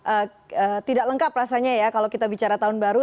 eee tidak lengkap rasanya ya kalau kita bicara tahun baru